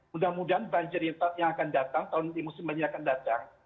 mudah mudahan banjir yang akan datang tahun nanti musim banjir akan datang